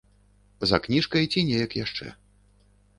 За кніжкай ці неяк яшчэ.